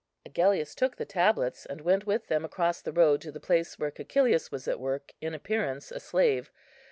Agellius took the tablets, and went with them across the road to the place where Cæcilius was at work, in appearance a slave.